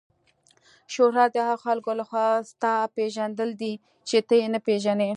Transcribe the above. شهرت د هغو خلکو له خوا ستا پیژندل دي چې ته یې نه پیژنې.